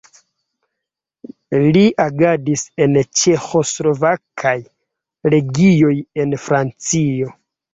Li agadis en ĉeĥoslovakaj legioj en Francio.